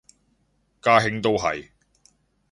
家兄都係